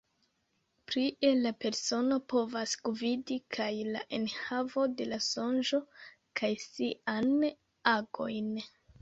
Plie la persono povas gvidi kaj la enhavon de la sonĝo kaj siajn agojn.